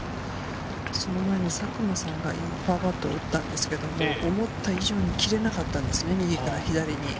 その前に佐久間さんがパーパットを打ったんですけど、思った以上に切れなかったんですね、右から左に。